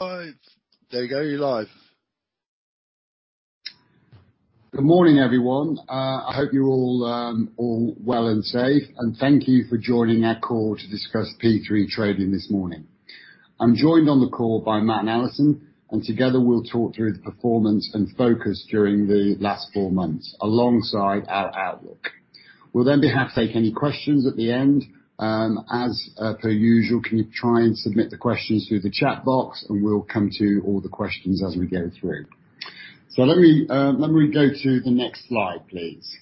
All right. There you go. You're live. Good morning, everyone. I hope you're all well and safe. Thank you for joining our call to discuss P3 trading this morning. I'm joined on the call by Matt and Alison. Together we'll talk through the performance and focus during the last four months, alongside our outlook. We'll be happy to take any questions at the end. As per usual, can you try and submit the questions through the chat box. We'll come to all the questions as we go through. Let me go to the next slide, please.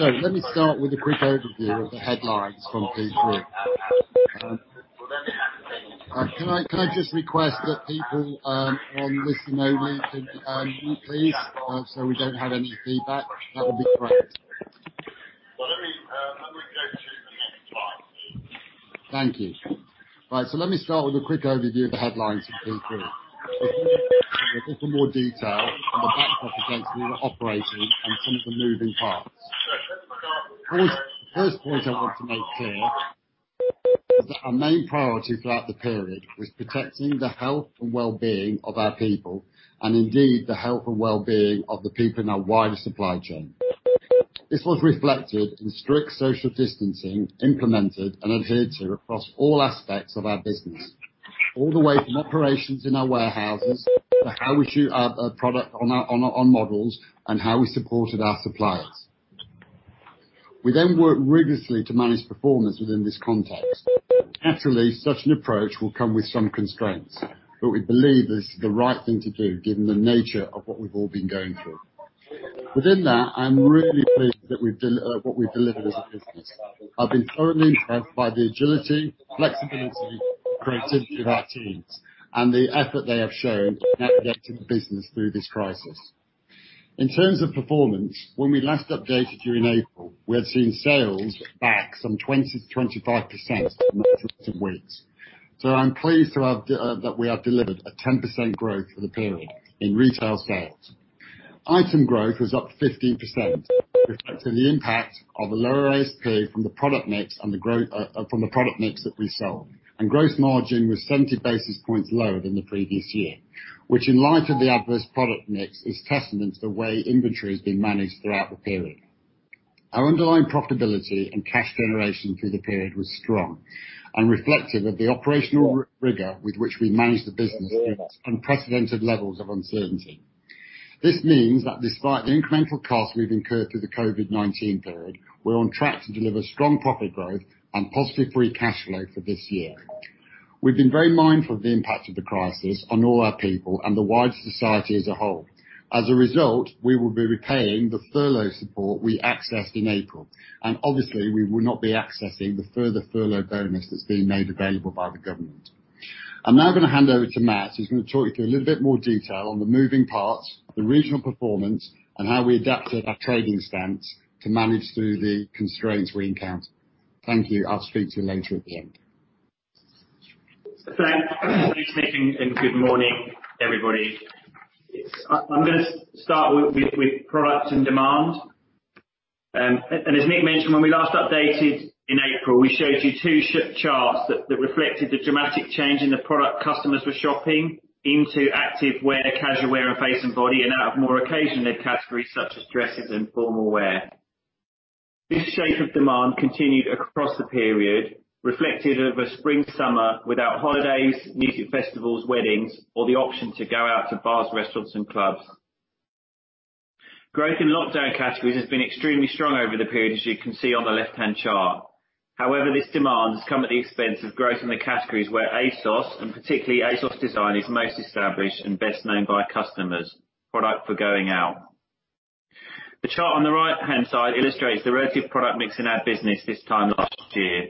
Let me start with a quick overview of the headlines from P3. Can I just request that people, on listen only can mute please. We don't have any feedback. That would be great. Thank you. Right. Let me start with a quick overview of the headlines from P3. A little more detail on the backdrop against which we were operating and some of the moving parts. The first point I want to make clear is that our main priority throughout the period was protecting the health and wellbeing of our people, and indeed the health and wellbeing of the people in our wider supply chain. This was reflected in strict social distancing implemented and adhered to across all aspects of our business, all the way from operations in our warehouses, to how we shoot our product on models and how we supported our suppliers. We worked rigorously to manage performance within this context. Naturally, such an approach will come with some constraints, but we believe this is the right thing to do given the nature of what we've all been going through. Within that, I'm really pleased with what we've delivered as a business. I've been thoroughly impressed by the agility, flexibility, creativity of our teams and the effort they have shown in navigating the business through this crisis. In terms of performance, when we last updated you in April, we had seen sales back some 20%-25% in the first two weeks. I'm pleased that we have delivered a 10% growth for the period in retail sales. Item growth was up 15%, reflecting the impact of a lower ASP from the product mix that we sold. Gross margin was 70 basis points lower than the previous year, which in light of the adverse product mix, is testament to the way inventory has been managed throughout the period. Our underlying profitability and cash generation through the period was strong and reflective of the operational rigor with which we managed the business in unprecedented levels of uncertainty. This means that despite the incremental cost we've incurred through the COVID-19 period, we're on track to deliver strong profit growth and positive free cash flow for this year. We've been very mindful of the impact of the crisis on all our people and the wider society as a whole. Obviously we will be repaying the furlough support we accessed in April, and we will not be accessing the further furlough bonus that's been made available by the government. I'm now going to hand over to Matt, who's going to talk you through a little bit more detail on the moving parts, the regional performance, and how we adapted our trading stance to manage through the constraints we encountered. Thank you. I'll speak to you later at the end. Thanks, Nick, good morning, everybody. I'm going to start with product and demand. As Nick mentioned, when we last updated in April, we showed you two charts that reflected the dramatic change in the product customers were shopping into activewear, casual wear, and face and body, and out of more occasional categories such as dresses and formal wear. This shape of demand continued across the period, reflective of a spring/summer without holidays, music festivals, weddings, or the option to go out to bars, restaurants, and clubs. Growth in lockdown categories has been extremely strong over the period, as you can see on the left-hand chart. However, this demand has come at the expense of growth in the categories where ASOS, and particularly ASOS DESIGN, is most established and best known by customers, product for going out. The chart on the right-hand side illustrates the relative product mix in our business this time last year.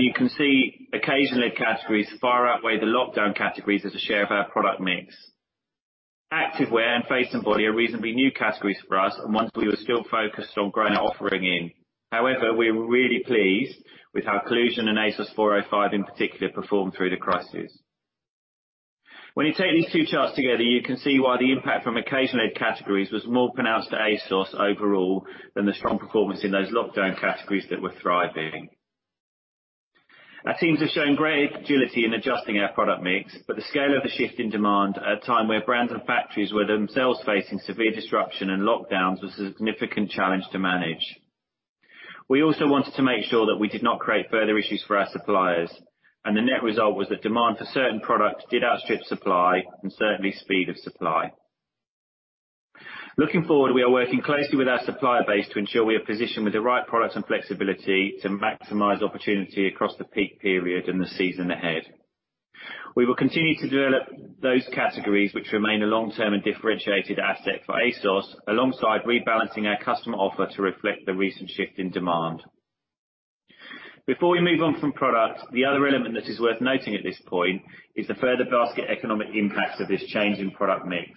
You can see occasional categories far outweigh the lockdown categories as a share of our product mix. Activewear and face and body are reasonably new categories for us, and ones we were still focused on growing our offering in. However, we were really pleased with how COLLUSION and ASOS 4505 in particular performed through the crisis. When you take these two charts together, you can see why the impact from occasional categories was more pronounced to ASOS overall than the strong performance in those lockdown categories that were thriving. Our teams have shown great agility in adjusting our product mix, but the scale of the shift in demand at a time where brands and factories were themselves facing severe disruption and lockdowns was a significant challenge to manage. We also wanted to make sure that we did not create further issues for our suppliers. The net result was that demand for certain products did outstrip supply and certainly speed of supply. Looking forward, we are working closely with our supplier base to ensure we are positioned with the right product and flexibility to maximize opportunity across the peak period and the season ahead. We will continue to develop those categories which remain a long-term and differentiated asset for ASOS, alongside rebalancing our customer offer to reflect the recent shift in demand. Before we move on from product, the other element that is worth noting at this point is the further basket economic impact of this change in product mix.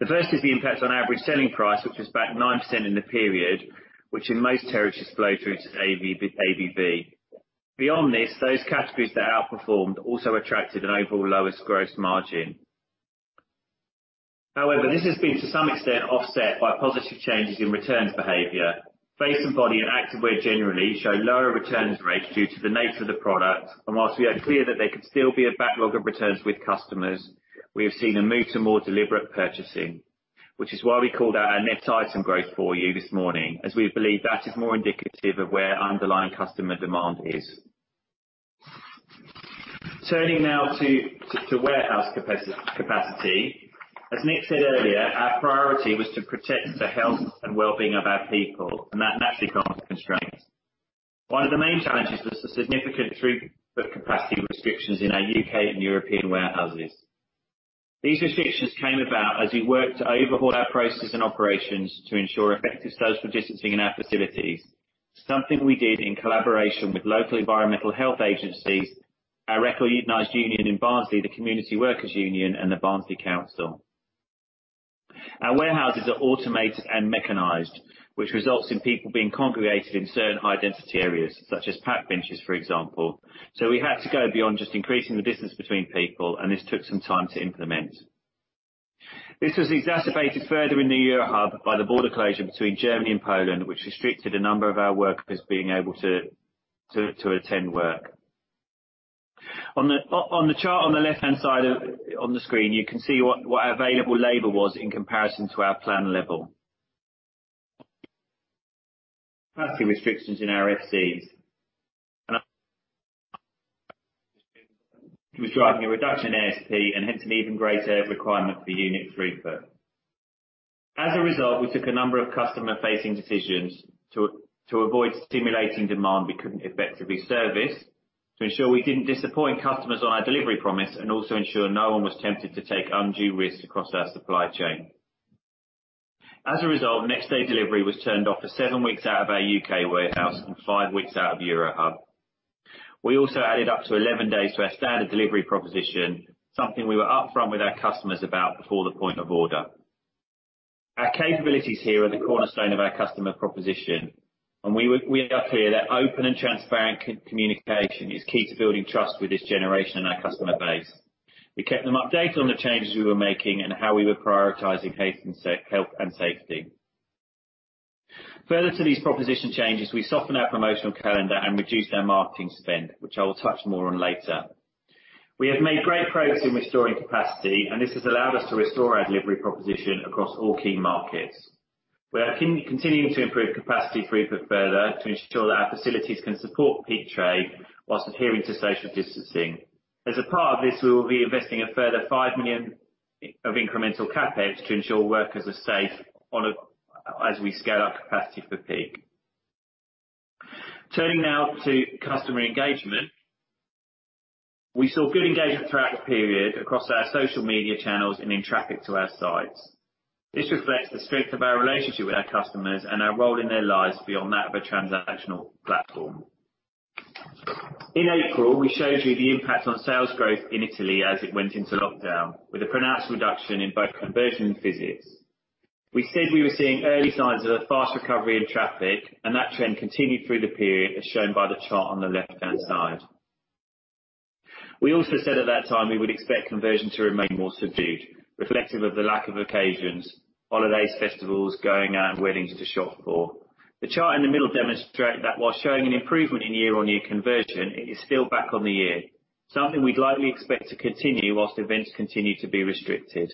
The first is the impact on average selling price, which was back 9% in the period, which in most territories flow through to ABV. Beyond this, those categories that outperformed also attracted an overall lowest gross margin. However, this has been to some extent offset by positive changes in returns behavior. Face and body and activewear generally show lower returns rates due to the nature of the product, and whilst we are clear that there could still be a backlog of returns with customers, we have seen a move to more deliberate purchasing, which is why we called out our net item growth for you this morning, as we believe that is more indicative of where underlying customer demand is. Turning now to warehouse capacity. As Nick said earlier, our priority was to protect the health and well-being of our people, and that naturally came with constraints. One of the main challenges was the significant throughput capacity restrictions in our U.K. and European warehouses. These restrictions came about as we worked to overhaul our processes and operations to ensure effective social distancing in our facilities. Something we did in collaboration with local environmental health agencies, our recognized union in Barnsley, the Community Workers Union, and the Barnsley Council. Our warehouses are automated and mechanized, which results in people being congregated in certain high-density areas, such as pack benches, for example. We had to go beyond just increasing the distance between people, and this took some time to implement. This was exacerbated further in the Euro Hub by the border closure between Germany and Poland, which restricted a number of our workers being able to attend work. On the chart on the left-hand side on the screen, you can see what our available labor was in comparison to our planned level. Capacity restrictions in our FCs was driving a reduction in ASP and hence an even greater requirement for unit throughput. As a result, we took a number of customer-facing decisions to avoid stimulating demand we couldn't effectively service, to ensure we didn't disappoint customers on our delivery promise, and also ensure no one was tempted to take undue risks across our supply chain. As a result, next-day delivery was turned off for seven weeks out of our U.K. warehouse and five weeks out of Euro Hub. We also added up to 11 days to our standard delivery proposition, something we were upfront with our customers about before the point of order. Our capabilities here are the cornerstone of our customer proposition, and we are clear that open and transparent communication is key to building trust with this generation and our customer base. We kept them updated on the changes we were making and how we were prioritizing health and safety. Further to these proposition changes, we softened our promotional calendar and reduced our marketing spend, which I will touch more on later. We have made great progress in restoring capacity, and this has allowed us to restore our delivery proposition across all key markets. We are continuing to improve capacity throughput further to ensure that our facilities can support peak trade whilst adhering to social distancing. As a part of this, we will be investing a further 5 million of incremental CapEx to ensure workers are safe as we scale up capacity for peak. Turning now to customer engagement. We saw good engagement throughout the period across our social media channels and in traffic to our sites. This reflects the strength of our relationship with our customers and our role in their lives beyond that of a transactional platform. In April, we showed you the impact on sales growth in Italy as it went into lockdown, with a pronounced reduction in both conversion and visits. We said we were seeing early signs of a fast recovery in traffic, and that trend continued through the period, as shown by the chart on the left-hand side. We also said at that time we would expect conversion to remain more subdued, reflective of the lack of occasions, holidays, festivals, going out, and weddings to shop for. The chart in the middle demonstrate that while showing an improvement in year-on-year conversion, it is still back on the year, something we'd likely expect to continue while events continue to be restricted.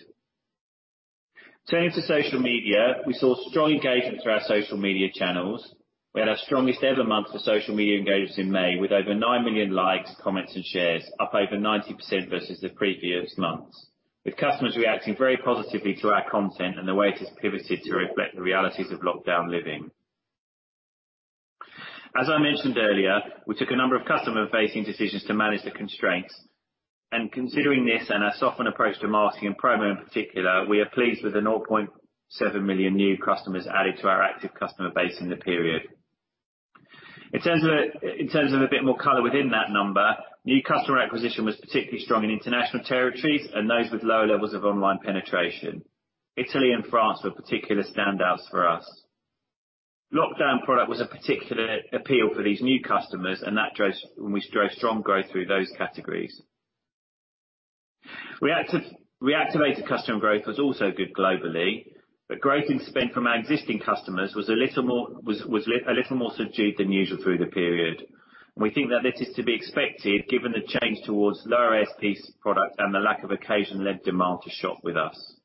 Turning to social media, we saw strong engagement through our social media channels. We had our strongest ever month for social media engagement in May, with over 9 million likes, comments, and shares, up over 90% versus the previous months, with customers reacting very positively to our content and the way it has pivoted to reflect the realities of lockdown living. As I mentioned earlier, we took a number of customer-facing decisions to manage the constraints. Considering this and our softened approach to marketing and promo in particular, we are pleased that the 0.7 million new customers added to our active customer base in the period. In terms of a bit more color within that number, new customer acquisition was particularly strong in international territories and those with lower levels of online penetration. Italy and France were particular standouts for us. Lockdown product was a particular appeal for these new customers, and that drove strong growth through those categories. Reactivated customer growth was also good globally, but growth in spend from our existing customers was a little more subdued than usual through the period. We think that this is to be expected given the change towards lower ASPs product and the lack of occasion-led demand to shop with us.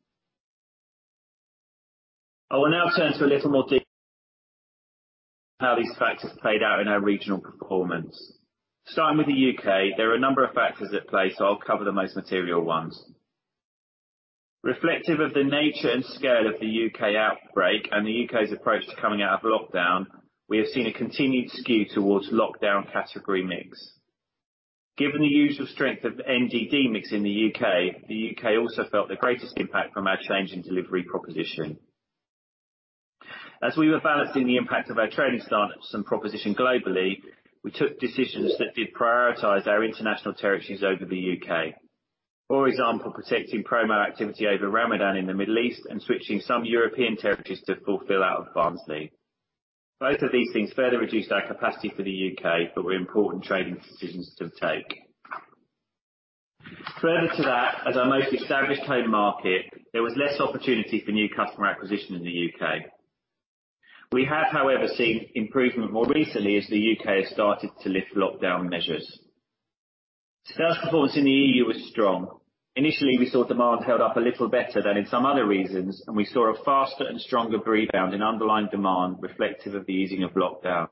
I will now turn to a little more detail how these factors played out in our regional performance. Starting with the U.K., there are a number of factors at play, so I'll cover the most material ones. Reflective of the nature and scale of the U.K. outbreak and the U.K.'s approach to coming out of lockdown, we have seen a continued skew towards lockdown category mix. Given the usual strength of the NDD mix in the U.K., the U.K. also felt the greatest impact from our change in delivery proposition. As we were balancing the impact of our trading stance and proposition globally, we took decisions that did prioritize our international territories over the U.K. For example, protecting promo activity over Ramadan in the Middle East and switching some European territories to fulfill out of Barnsley. Both of these things further reduced our capacity for the U.K., but were important trading decisions to take. Further to that, as our most established home market, there was less opportunity for new customer acquisition in the U.K. We have, however, seen improvement more recently as the U.K. has started to lift lockdown measures. Sales performance in the EU was strong. Initially, we saw demand held up a little better than in some other regions. We saw a faster and stronger rebound in underlying demand reflective of the easing of lockdown.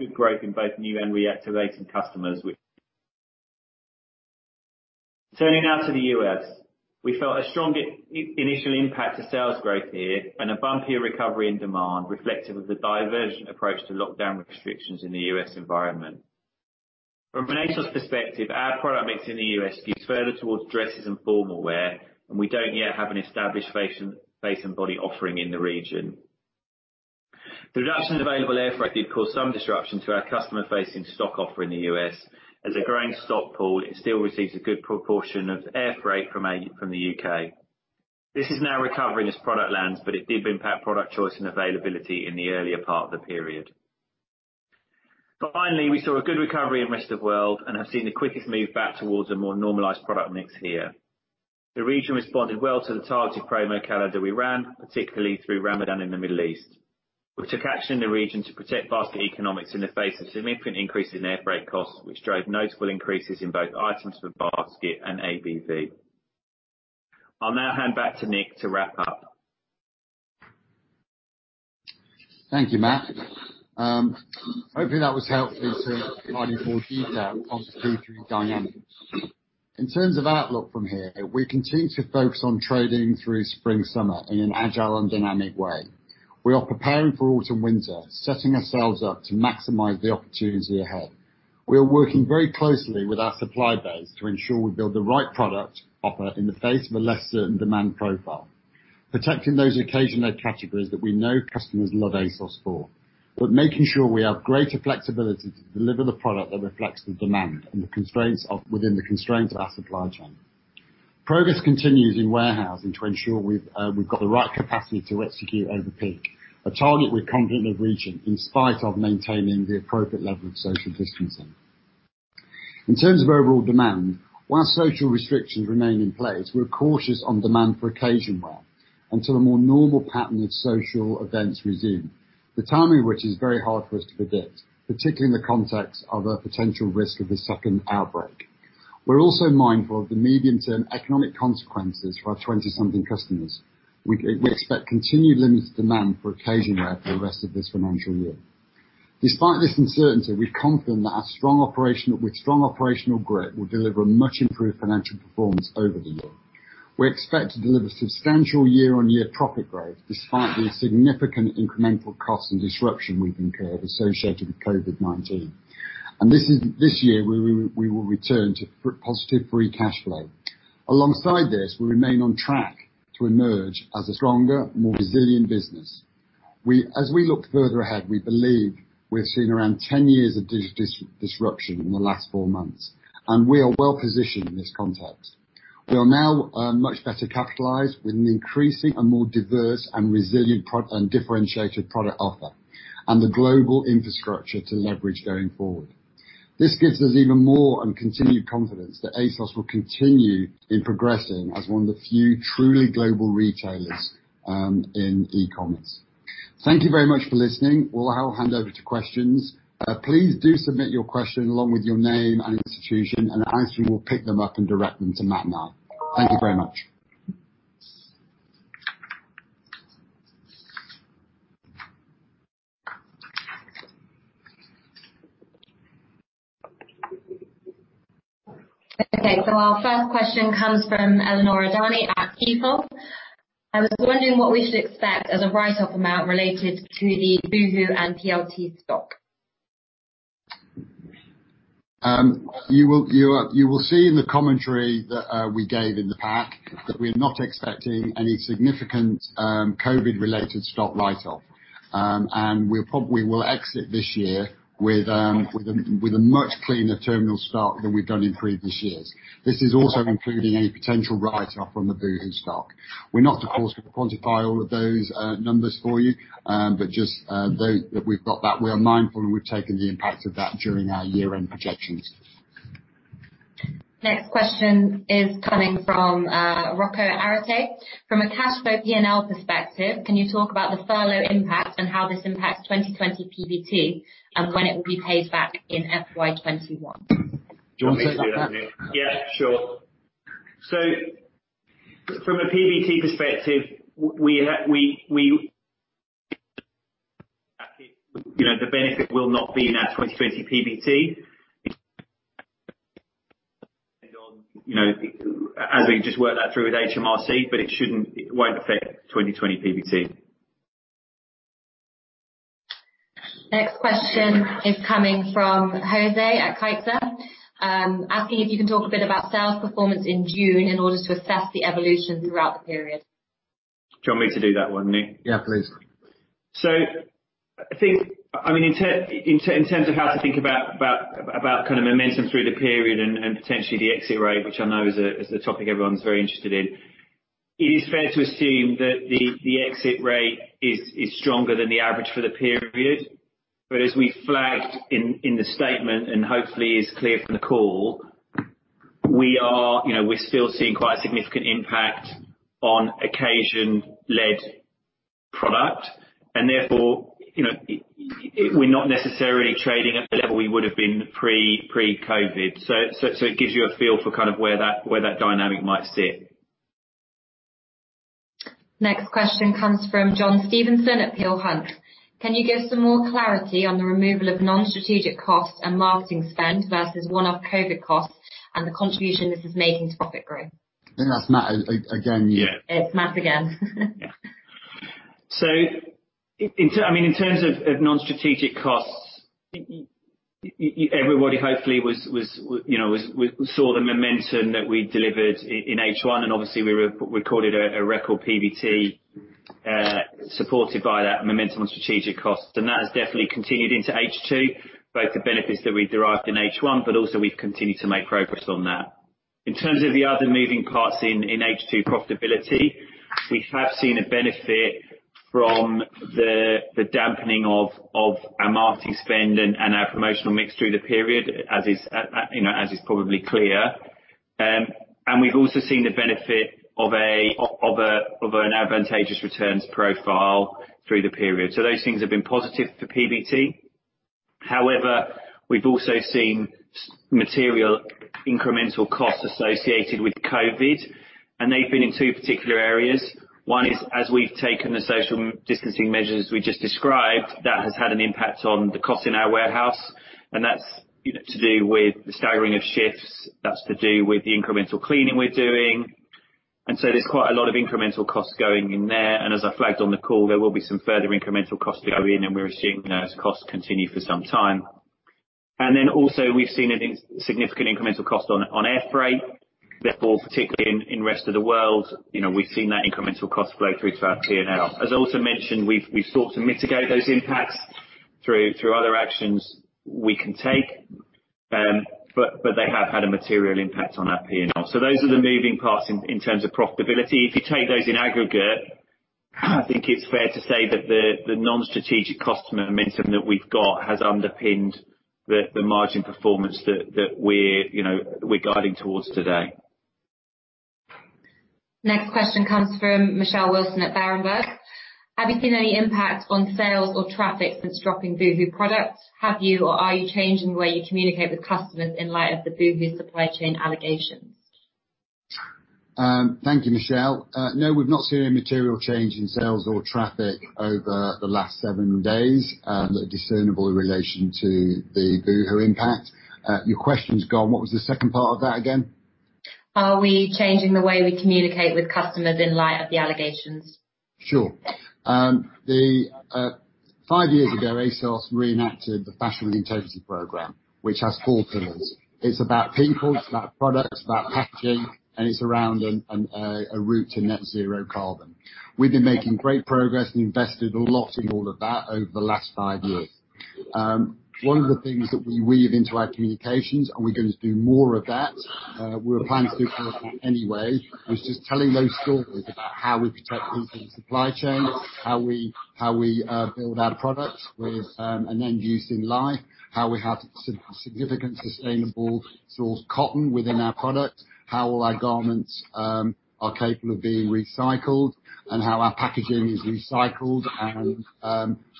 Good growth in both new and reactivating customers. Turning now to the U.S. We felt a strong initial impact to sales growth here. A bumpier recovery in demand reflective of the divergent approach to lockdown restrictions in the U.S. environment. From an ASOS perspective, our product mix in the U.S. skews further towards dresses and formal wear. We don't yet have an established face and body offering in the region. The reduction in available air freight did cause some disruption to our customer-facing stock offer in the U.S. A growing stock pool, it still receives a good proportion of air freight from the U.K. This is now recovering as product lands. It did impact product choice and availability in the earlier part of the period. We saw a good recovery in rest of world and have seen the quickest move back towards a more normalized product mix here. The region responded well to the targeted promo calendar we ran, particularly through Ramadan in the Middle East. We took action in the region to protect basket economics in the face of significant increase in air freight costs, which drove notable increases in both items per basket and ABV. I'll now hand back to Nick to wrap up. Thank you, Matt. Hopefully, that was helpful to provide you more detail on the P3 dynamics. In terms of outlook from here, we continue to focus on trading through spring/summer in an agile and dynamic way. We are preparing for autumn/winter, setting ourselves up to maximize the opportunities ahead. We are working very closely with our supply base to ensure we build the right product offer in the face of a less certain demand profile, protecting those occasional categories that we know customers love ASOS for, but making sure we have greater flexibility to deliver the product that reflects the demand and within the constraints of our supply chain. Progress continues in warehousing to ensure we've got the right capacity to execute over peak, a target we're confident of reaching in spite of maintaining the appropriate level of social distancing. In terms of overall demand, while social restrictions remain in place, we're cautious on demand for occasion wear until a more normal pattern of social events resume, the timing of which is very hard for us to predict, particularly in the context of a potential risk of a second outbreak. We're also mindful of the medium-term economic consequences for our 20-something customers. We expect continued limited demand for occasion wear for the rest of this financial year. Despite this uncertainty, we're confident that with strong operational grip, we'll deliver much improved financial performance over the year. We expect to deliver substantial year-on-year profit growth despite the significant incremental cost and disruption we've incurred associated with COVID-19. This year, we will return to positive free cash flow. Alongside this, we remain on track to emerge as a stronger, more resilient business. As we look further ahead, we believe we've seen around 10 years of disruption in the last four months, and we are well positioned in this context. We are now much better capitalized with an increasing and more diverse and resilient and differentiated product offer, and the global infrastructure to leverage going forward. This gives us even more and continued confidence that ASOS will continue in progressing as one of the few truly global retailers in e-commerce. Thank you very much for listening. I'll hand over to questions. Please do submit your question along with your name and institution, and Ashley will pick them up and direct them to Matt now. Thank you very much. Okay. Our first question comes from Eleonora Dani at T. Rowe Price. I was wondering what we should expect as a write-off amount related to the Boohoo and PLT stock. You will see in the commentary that we gave in the pack, that we're not expecting any significant COVID related stock write-off. We probably will exit this year with a much cleaner terminal stock than we've done in previous years. This is also including any potential write-off from the Boohoo stock. We're not, of course, going to quantify all of those numbers for you, but just note that we've got that. We are mindful, and we've taken the impact of that during our year-end projections. Next question is coming from Rocco Forte. From a cash flow P&L perspective, can you talk about the furlough impact and how this impacts 2020 PBT, and when it will be paid back in FY 2021? Do you want me to do that, Nick? Yeah, sure. From a PBT perspective, the benefit will not be in our 2020 PBT. As we just work that through with HMRC, but it won't affect 2020 PBT. Next question is coming from José at CaixaBank. Asking if you can talk a bit about sales performance in June in order to assess the evolution throughout the period. Do you want me to do that one, Nick? Yeah, please. In terms of how to think about momentum through the period and potentially the exit rate, which I know is a topic everyone's very interested in, it is fair to assume that the exit rate is stronger than the average for the period. As we flagged in the statement, and hopefully is clear from the call, we're still seeing quite a significant impact on occasion-led product. Therefore, we're not necessarily trading at the level we would have been pre-COVID. It gives you a feel for where that dynamic might sit. Next question comes from John Stevenson at Peel Hunt. Can you give some more clarity on the removal of non-strategic costs and marketing spend versus one-off COVID costs and the contribution this is making to profit growth? I think that's Matt again, yeah. It's Matt again. In terms of non-strategic costs, everybody hopefully saw the momentum that we delivered in H1, and obviously we recorded a record PBT supported by that momentum on strategic costs. That has definitely continued into H2, both the benefits that we derived in H1, but also we've continued to make progress on that. In terms of the other moving parts in H2 profitability, we have seen a benefit from the dampening of our marketing spend and our promotional mix through the period, as is probably clear. We've also seen the benefit of an advantageous returns profile through the period. Those things have been positive for PBT. However, we've also seen material incremental costs associated with COVID, and they've been in two particular areas. One is, as we've taken the social distancing measures we just described, that has had an impact on the cost in our warehouse, and that's to do with the staggering of shifts, that's to do with the incremental cleaning we're doing. There's quite a lot of incremental costs going in there. As I flagged on the call, there will be some further incremental costs to go in, and we're assuming those costs continue for some time. Also, we've seen a significant incremental cost on air freight. Therefore, particularly in rest of the world, we've seen that incremental cost flow through to our P&L. As I also mentioned, we've sought to mitigate those impacts through other actions we can take, but they have had a material impact on our P&L. Those are the moving parts in terms of profitability. If you take those in aggregate, I think it's fair to say that the non-strategic cost momentum that we've got has underpinned the margin performance that we're guiding towards today. Next question comes from Michelle Wilson at Berenberg. Have you seen any impact on sales or traffic since dropping Boohoo products? Have you or are you changing the way you communicate with customers in light of the Boohoo supply chain allegations? Thank you, Michelle. No, we've not seen any material change in sales or traffic over the last seven days that are discernible in relation to the Boohoo impact. Your question's gone. What was the second part of that again? Are we changing the way we communicate with customers in light of the allegations? Sure. Five years ago, ASOS reenacted the Fashion with Integrity, which has four pillars. It's about people, it's about products, about packaging, and it's around a route to net zero carbon. We've been making great progress and invested a lot in all of that over the last five years. One of the things that we weave into our communications, and we're going to do more of that, we were planning to do more of that anyway, was just telling those stories about how we protect people in supply chains, how we build our products with an end use in life, how we have significant sustainable sourced cotton within our product, how all our garments are capable of being recycled, and how our packaging is recycled and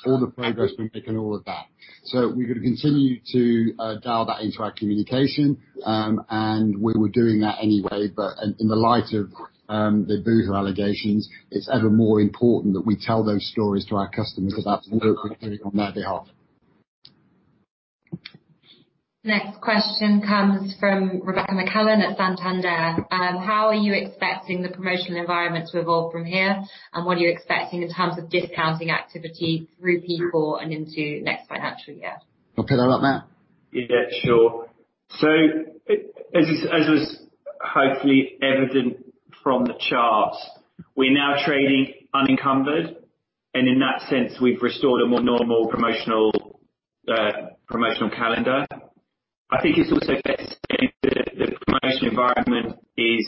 all the progress we're making, all of that. We're going to continue to dial that into our communication, and we were doing that anyway, but in the light of the Boohoo allegations, it's ever more important that we tell those stories to our customers about the work we're doing on their behalf. Next question comes from Rebecca McClellan at Santander. How are you expecting the promotional environment to evolve from here? What are you expecting in terms of discounting activity through P4 and into next financial year? I'll pick that up, Matt. Yeah, sure. As is hopefully evident from the charts, we're now trading unencumbered, and in that sense, we've restored a more normal promotional calendar. I think it's also fair to say that the promotional environment is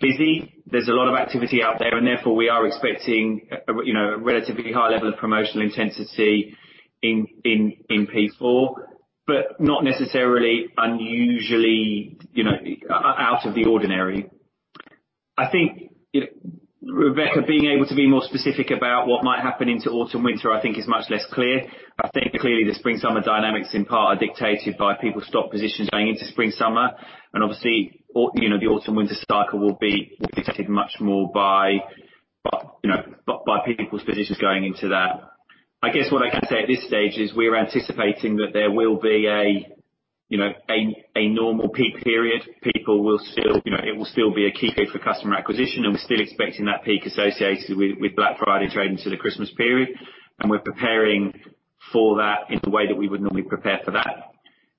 busy. There's a lot of activity out there, and therefore we are expecting a relatively high level of promotional intensity in P4, but not necessarily unusually out of the ordinary. Rebecca, being able to be more specific about what might happen into autumn, winter, I think is much less clear. I think clearly the spring-summer dynamics in part are dictated by people's stock positions going into spring, summer, and obviously, the autumn, winter cycle will be dictated much more by people's positions going into that. I guess what I can say at this stage is we're anticipating that there will be a normal peak period. It will still be a key peak for customer acquisition, and we're still expecting that peak associated with Black Friday trading to the Christmas period, and we're preparing for that in the way that we would normally prepare for that.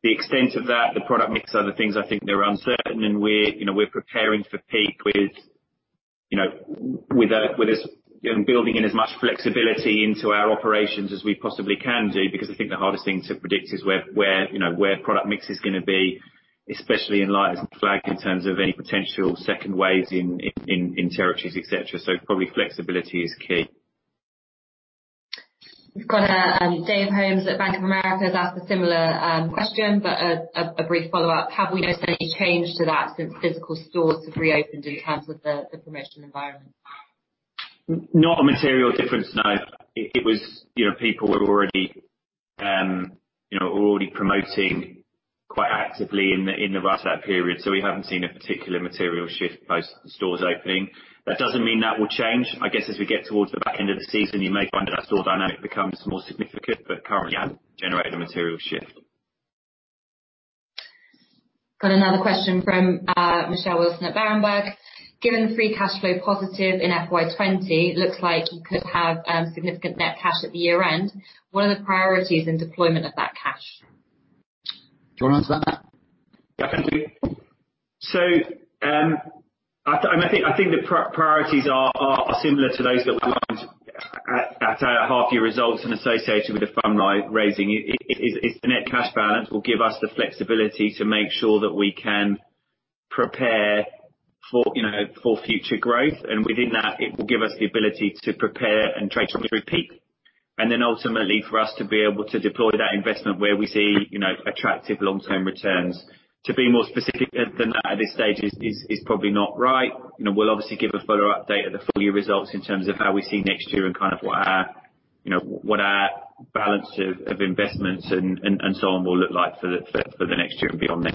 The extent of that, the product mix, are the things I think that are uncertain, and we're preparing for peak with building in as much flexibility into our operations as we possibly can do, because I think the hardest thing to predict is where product mix is going to be, especially in light as we flagged in terms of any potential second waves in territories, et cetera. Probably flexibility is key. We've got David Holmes at Bank of America has asked a similar question, but a brief follow-up. Have we noticed any change to that since physical stores have reopened in terms of the promotional environment? Not a material difference, no. People were already promoting quite actively in the run-up to that period. We haven't seen a particular material shift post the stores opening. That doesn't mean that will change. I guess as we get towards the back end of the season, you may find that store dynamic becomes more significant, but currently hasn't generated a material shift. Got another question from Michelle Wilson at Berenberg. Given free cash flow positive in FY 2020, looks like you could have significant net cash at the year end. What are the priorities in deployment of that cash? Do you want to answer that? Definitely. I think the priorities are similar to those that were outlined at our half year results and associated with the fund raising, is the net cash balance will give us the flexibility to make sure that we can prepare for future growth. Within that, it will give us the ability to prepare and trade through peak. Ultimately for us to be able to deploy that investment where we see attractive long-term returns. To be more specific than that at this stage is probably not right. We'll obviously give a fuller update at the full year results in terms of how we see next year and what our balance of investments and so on will look like for the next year and beyond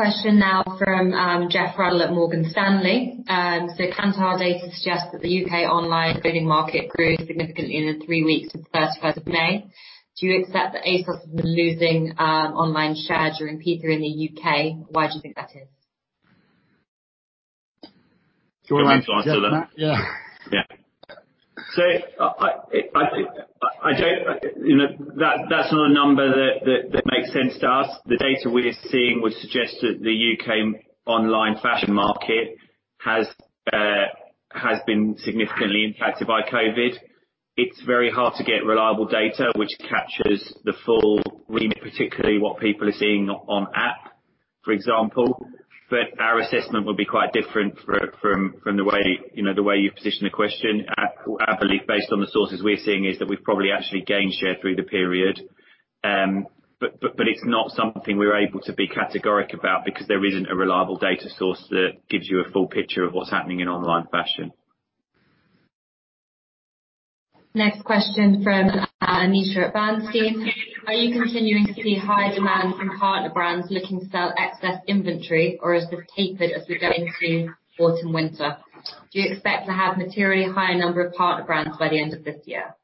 then. Question now from Geoff Ruddell at Morgan Stanley. Kantar data suggests that the U.K. online clothing market grew significantly in the three weeks to the 31st of May. Do you accept that ASOS has been losing online share during P3 in the U.K.? Why do you think that is? Do you want me to answer that? Do you want to take that, Matt? Yeah. That's not a number that makes sense to us. The data we're seeing would suggest that the U.K. online fashion market has been significantly impacted by COVID-19. It's very hard to get reliable data which captures the full remit, particularly what people are seeing on app, for example. Our assessment would be quite different from the way you've positioned the question. Our belief, based on the sources we're seeing, is that we've probably actually gained share through the period. It's not something we're able to be categoric about because there isn't a reliable data source that gives you a full picture of what's happening in online fashion. Next question from Aneesha at Bernstein. Are you continuing to see high demand from partner brands looking to sell excess inventory, or has this tapered as we go into autumn winter? Do you expect to have materially higher number of partner brands by the end of this year?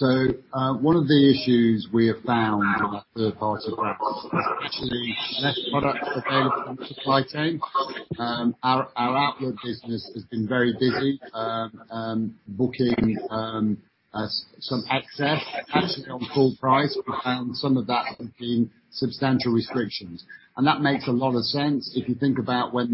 One of the issues we have found with our third-party brands is actually less product available from the supply chain. Our outlet business has been very busy booking some excess, actually on full price. We found some of that has been substantial restrictions. That makes a lot of sense, if you think about when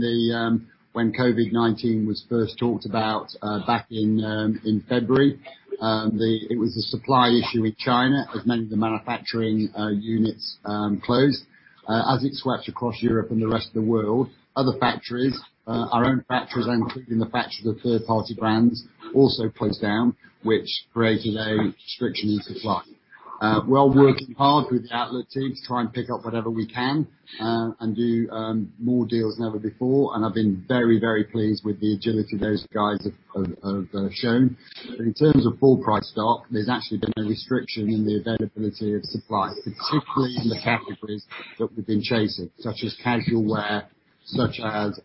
COVID-19 was first talked about back in February. It was a supply issue in China, as many of the manufacturing units closed. As it swept across Europe and the rest of the world, other factories, our own factories, including the factories of third-party brands, also closed down, which created a restriction in supply. We're working hard with the outlet team to try and pick up whatever we can, and do more deals than ever before. I've been very, very pleased with the agility those guys have shown. In terms of full price stock, there's actually been a restriction in the availability of supply, particularly in the categories that we've been chasing, such as casual wear, such as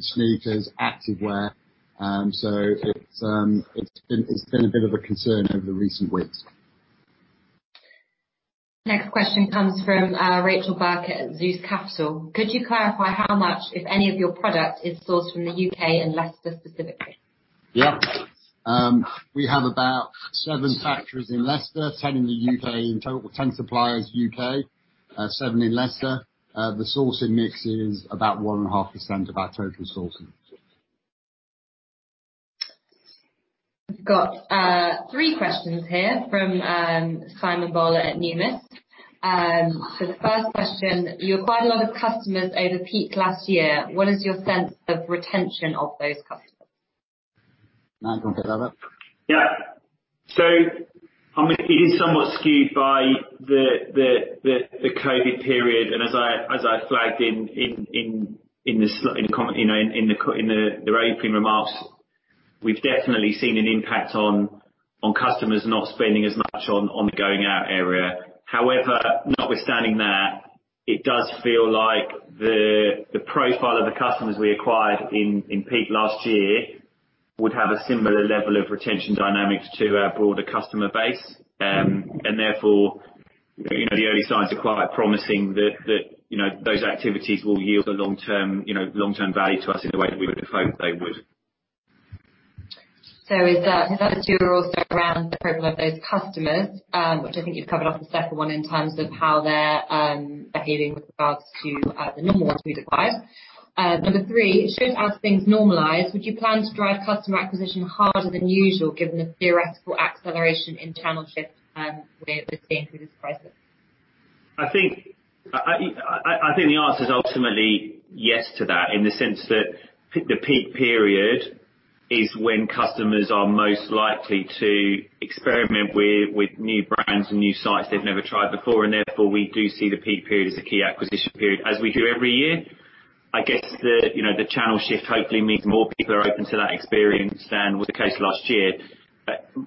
sneakers, active wear. It's been a bit of a concern over the recent weeks. Next question comes from Rachel Burkitt at Zeus Capital. Could you clarify how much, if any, of your product is sourced from the UK and Leicester specifically? Yeah. We have about seven factories in Leicester, 10 suppliers U.K., seven in Leicester. The sourcing mix is about 1.5% of our total sourcing. We've got three questions here from Simon Bowler at Numis. The first question, you acquired a lot of customers over peak last year. What is your sense of retention of those customers? Matt, do you want to take that one? Yeah. It is somewhat skewed by the COVID period, as I flagged in the opening remarks, we've definitely seen an impact on customers not spending as much on the going out area. However, notwithstanding that, it does feel like the profile of the customers we acquired in peak last year would have a similar level of retention dynamics to our broader customer base. Therefore, the early signs are quite promising that those activities will yield long-term value to us in the way that we would have hoped they would. Is that two are also around the profile of those customers, which I think you've covered off the second one in terms of how they're behaving with regards to the normal order size. Number three, should as things normalize, would you plan to drive customer acquisition harder than usual, given the theoretical acceleration in channel shift we're seeing through this crisis? I think the answer is ultimately yes to that, in the sense that the peak period is when customers are most likely to experiment with new brands and new sites they've never tried before, and therefore, we do see the peak period as a key acquisition period as we do every year. I guess, the channel shift hopefully means more people are open to that experience than was the case last year.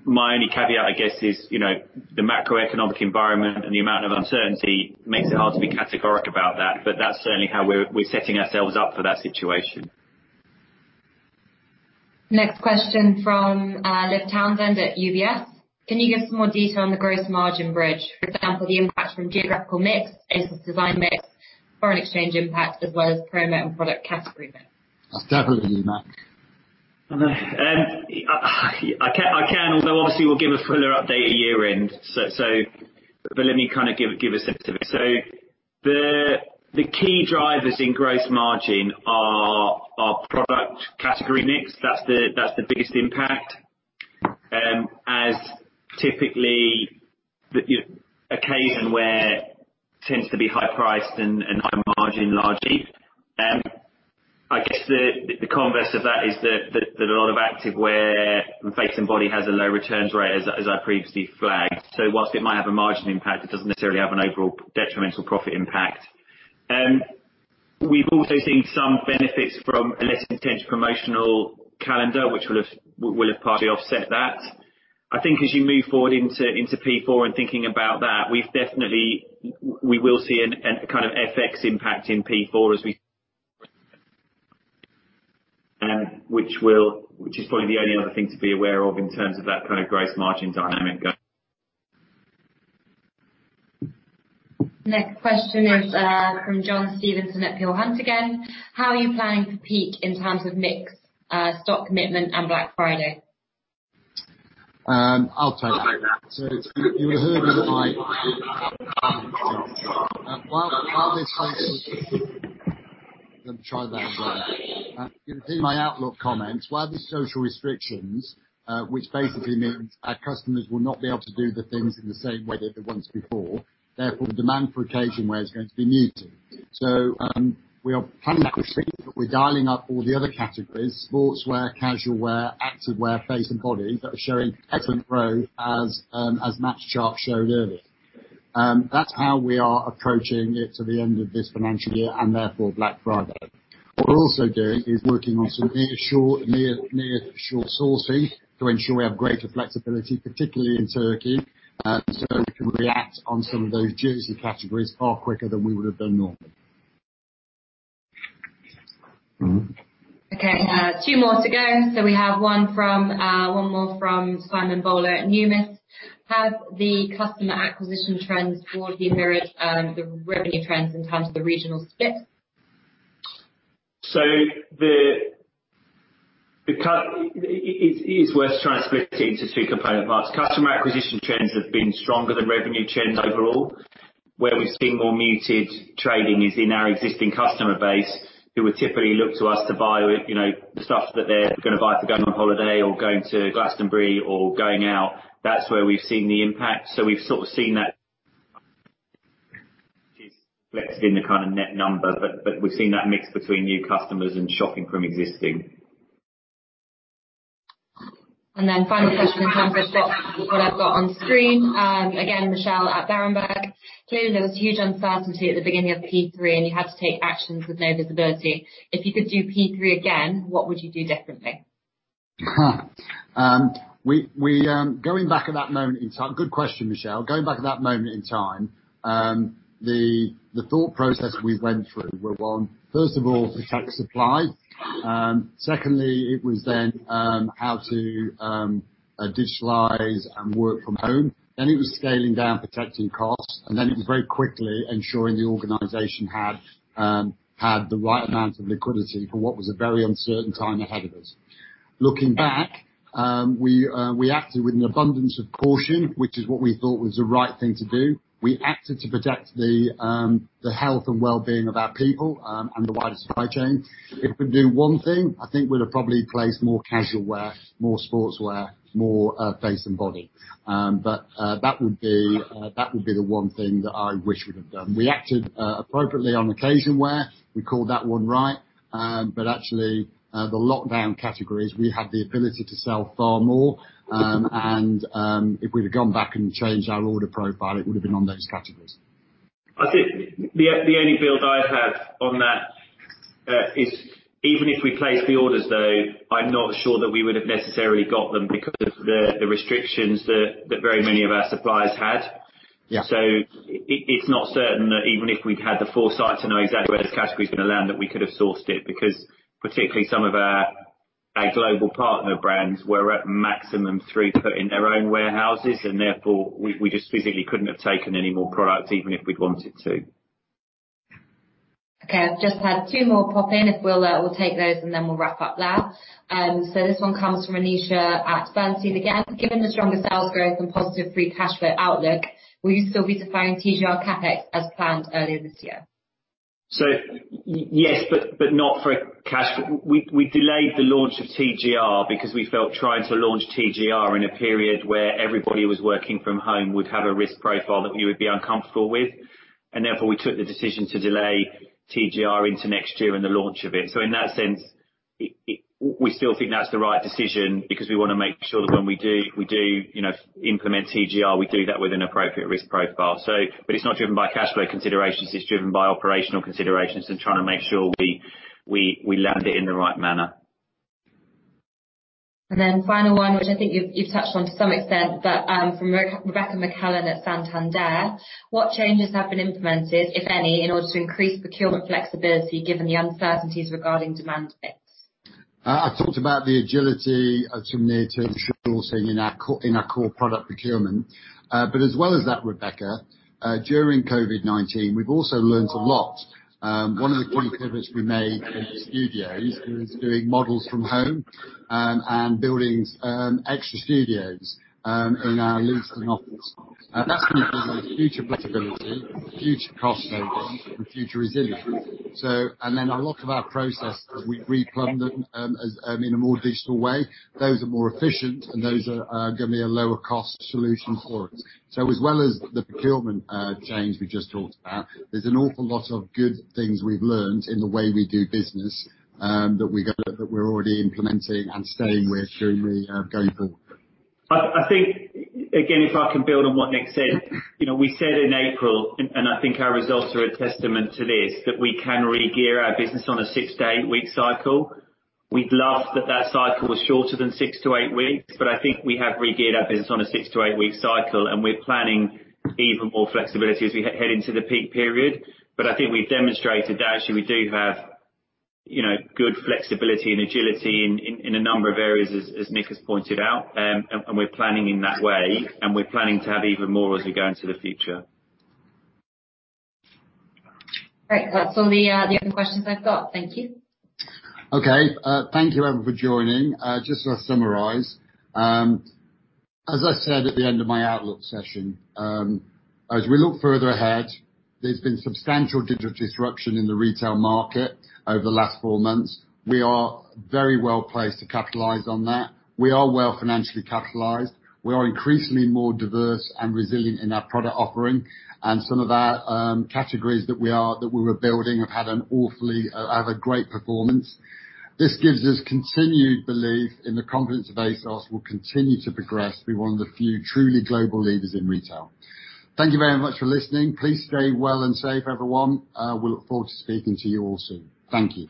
My only caveat, I guess, is the macroeconomic environment and the amount of uncertainty makes it hard to be categoric about that. That's certainly how we're setting ourselves up for that situation. Next question from Olivia Townsend at UBS. Can you give some more detail on the gross margin bridge, for example, the impact from geographical mix into design mix, foreign exchange impact, as well as promo and product category mix? I'll start with you, Matt. I can, although obviously we'll give a fuller update at year-end. Let me kind of give a sense of it. The key drivers in gross margin are product category mix. That's the biggest impact. As typically, occasionwear tends to be high priced and high margin largely. I guess the converse of that is that a lot of activewear and face and body has a low returns rate, as I previously flagged. While it might have a margin impact, it doesn't necessarily have an overall detrimental profit impact. We've also seen some benefits from a less intense promotional calendar, which will have partly offset that. I think as you move forward into P4 and thinking about that, we will see a kind of FX impact in P4, which is probably the only other thing to be aware of in terms of that kind of gross margin dynamic going. Next question is from John Stevenson at Peel Hunt again. How are you planning for peak in terms of mix, stock commitment and Black Friday? I'll take that. You'll see my outlook comments while the social restrictions, which basically means our customers will not be able to do the things in the same way they did once before, therefore the demand for occasion wear is going to be muted. We are planning that, but we're dialing up all the other categories, sportswear, casual wear, active wear, face and body, that are showing excellent growth as Matt's chart showed earlier. That's how we are approaching it to the end of this financial year and therefore Black Friday. What we're also doing is working on some near shore sourcing to ensure we have greater flexibility, particularly in Turkey, so we can react on some of those juicy categories far quicker than we would have done normally. Okay, two more to go. We have one more from Simon Bowler at Numis. Have the customer acquisition trends broadly mirrored the revenue trends in terms of the regional split? It is worth trying to split it into two component parts. Customer acquisition trends have been stronger than revenue trends overall. Where we've seen more muted trading is in our existing customer base, who would typically look to us to buy the stuff that they're going to buy for going on holiday or going to Glastonbury or going out. That's where we've seen the impact. We've sort of seen that reflected in the kind of net number, but we've seen that mix between new customers and shopping from existing. Final question in terms of what I've got on screen, again, Michelle at Berenberg. Clearly, there was huge uncertainty at the beginning of P3, and you had to take actions with no visibility. If you could do P3 again, what would you do differently? Good question, Michelle. Going back to that moment in time, the thought process we went through were, one, first of all, protect supply. Secondly, it was then how to digitalize and work from home. It was scaling down, protecting costs, and then it was very quickly ensuring the organization had the right amount of liquidity for what was a very uncertain time ahead of us. Looking back, we acted with an abundance of caution, which is what we thought was the right thing to do. We acted to protect the health and well-being of our people, and the wider supply chain. If we could do one thing, I think we'd have probably placed more casual wear, more sportswear, more face and body. That would be the one thing that I wish we'd have done. We acted appropriately on occasion wear. We called that one right. Actually, the lockdown categories, we had the ability to sell far more, and if we'd have gone back and changed our order profile, it would have been on those categories. I think the only build I'd have on that is even if we placed the orders, though, I'm not sure that we would have necessarily got them because the restrictions that very many of our suppliers had. Yeah. It's not certain that even if we'd had the foresight to know exactly where the category is going to land, that we could have sourced it, because particularly some of our global partner brands were at maximum throughput in their own warehouses, and therefore, we just physically couldn't have taken any more product, even if we'd wanted to. Okay. I've just had two more pop in. We'll take those, we'll wrap up there. This one comes from Aneesha at Bernstein again. Given the stronger sales growth and positive free cash flow outlook, will you still be deferring TGR CapEx as planned earlier this year? Yes, but not for cash. We delayed the launch of TGR because we felt trying to launch TGR in a period where everybody was working from home would have a risk profile that we would be uncomfortable with. Therefore, we took the decision to delay TGR into next year and the launch of it. In that sense, we still think that's the right decision because we want to make sure that when we do implement TGR, we do that with an appropriate risk profile. It's not driven by cash flow considerations, it's driven by operational considerations and trying to make sure we land it in the right manner. Final one, which I think you've touched on to some extent, but from Rebecca McClellan at Santander. What changes have been implemented, if any, in order to increase procurement flexibility given the uncertainties regarding demand mix? I talked about the agility of some near-term short sourcing in our core product procurement. As well as that, Rebecca, during COVID-19, we've also learned a lot. One of the key pivots we made in the studios is doing models from home and building extra studios in our Leeds and Nottingham. A lot of our processes, we've replumbed them in a more digital way. Those are more efficient, and those are going to be a lower cost solution for us. As well as the procurement change we just talked about, there's an awful lot of good things we've learned in the way we do business that we're already implementing and staying with going forward. I think, again, if I can build on what Nick said, we said in April, and I think our results are a testament to this, that we can regear our business on a six to eight week cycle. We'd love that that cycle was shorter than six to eight weeks, but I think we have regeared our business on a six to eight week cycle, and we're planning even more flexibility as we head into the peak period. I think we've demonstrated that actually we do have good flexibility and agility in a number of areas, as Nick has pointed out, and we're planning in that way, and we're planning to have even more as we go into the future. Great. That's all the other questions I've got. Thank you. Okay. Thank you, everyone, for joining. Just to summarize, as I said at the end of my outlook session, as we look further ahead, there has been substantial digital disruption in the retail market over the last four months. We are very well placed to capitalize on that. We are well financially capitalized. We are increasingly more diverse and resilient in our product offering. Some of our categories that we were building have had a great performance. This gives us continued belief in the confidence of ASOS will continue to progress to be one of the few truly global leaders in retail. Thank you very much for listening. Please stay well and safe, everyone. We look forward to speaking to you all soon. Thank you.